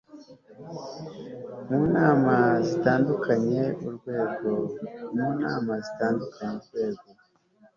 mu nama zitandukanye urwego